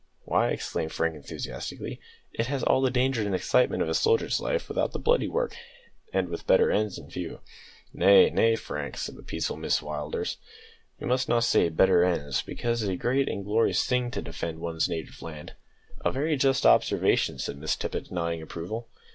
Why," exclaimed Frank enthusiastically, "it has all the danger and excitement of a soldier's life without the bloody work, and with better ends in view." "Nay, nay, Frank," said the peaceful Mrs Willders, "you must not say `better ends,' because it is a great and glorious thing to defend one's native land." "A very just observation," said Miss Tippet, nodding approval.